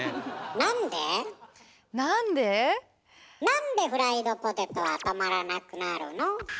なんでフライドポテトは止まらなくなるの？